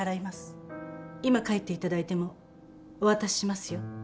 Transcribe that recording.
今帰っていただいてもお渡ししますよ。